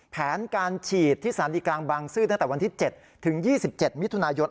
แผนการฉีดที่สถานีกลางบางซื่อตั้งแต่วันที่๗ถึง๒๗มิถุนายน